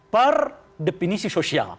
per depenisi sosial